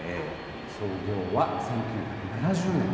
創業は１９７０年。